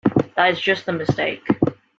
That is just the mistake.